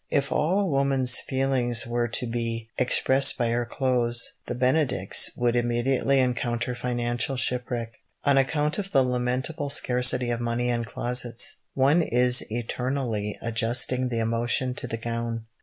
If all a woman's feelings were to be expressed by her clothes, the benedicts would immediately encounter financial shipwreck. On account of the lamentable scarcity of money and closets, one is eternally adjusting the emotion to the gown.